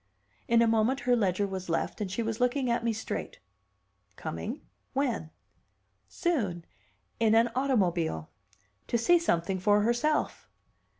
In a moment her ledger was left, and she was looking at me straight. Coming? When? "Soon. In an automobile. To see something for herself."